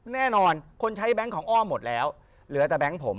แน่นอนคนใช้แบงค์ของอ้อมหมดแล้วเหลือแต่แบงค์ผม